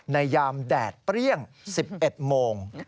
ยามแดดเปรี้ยง๑๑โมง